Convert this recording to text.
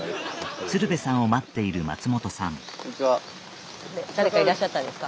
スタジオ誰かいらっしゃったんですか？